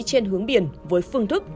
trên hướng biển với phương thức